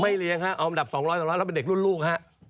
เลี้ยงฮะเอาอันดับ๒๐๐๒๐๐แล้วเป็นเด็กรุ่นลูกฮะ